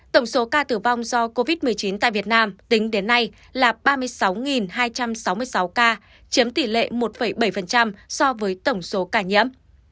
tổng số ca tử vong do covid một mươi chín tại việt nam tính đến nay là ba mươi sáu hai trăm sáu mươi sáu ca chiếm tỷ lệ một bảy so với tổng số ca nhiễm